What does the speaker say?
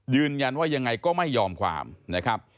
ยืนยันว่ายังไงก็ไม่ยอมความนะครับ